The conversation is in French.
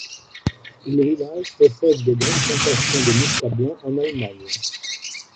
Le village possède de grandes plantations de Muscat blanc en Allemagne.